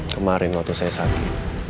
kemarin waktu saya sakit